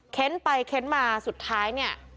เค้นไปเค้นมาสุดท้ายเนี่ย